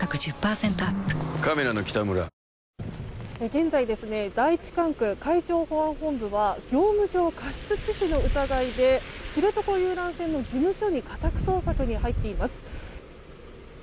現在第１管区海上保安本部は業務上過失致死の疑いで知床遊覧船の事務所に家宅捜索に入っています。